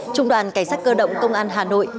trung đoàn cảnh sát cơ động công an hà nội